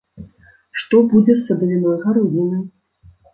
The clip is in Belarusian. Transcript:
Што будзе з садавіной-гароднінай?